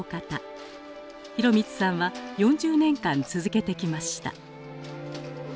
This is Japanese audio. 裕光さんは４０年間続けてきました。